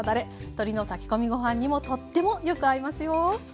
鶏の炊き込みご飯にもとってもよく合いますよ。